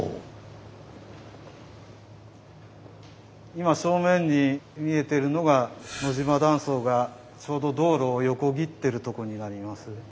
今正面に見えてるのが野島断層がちょうど道路を横切ってるとこになります。